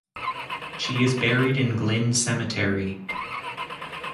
She is buried in Glynn Cemetery.